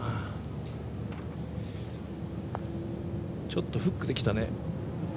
ちょっとフックできたね。